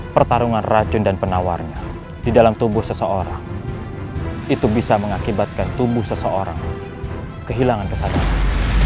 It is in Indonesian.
pertarungan racun dan penawarnya di dalam tubuh seseorang itu bisa mengakibatkan tubuh seseorang kehilangan kesadaran